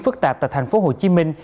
phức tạp tại thành phố hồ chí minh